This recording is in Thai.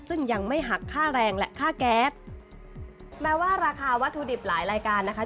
ซึ่งยังไม่หักค่าแรงและค่าแก๊สแม้ว่าราคาวัตถุดิบหลายรายการนะคะ